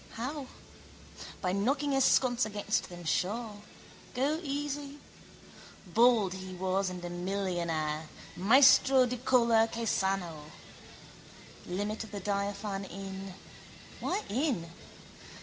How? By knocking his sconce against them, sure. Go easy. Bald he was and a millionaire, maestro di color che sanno. Limit of the diaphane in. Why in?